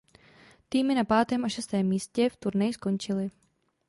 Týmy na pátém a šestém místě v turnaji skončily.